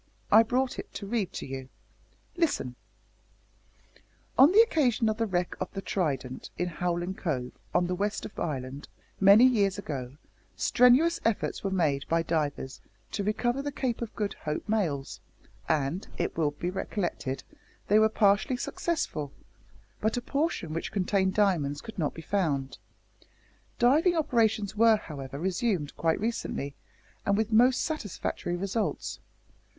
I brought it to read to you. Listen: `On the occasion of the wreck of the Trident in Howlin' Cove, on the west of Ireland, many years ago, strenuous efforts were made by divers to recover the Cape of Good Hope mails, and, it will be recollected, they were partially successful, but a portion which contained diamonds could not be found. Diving operations were, however, resumed quite recently, and with most satisfactory results.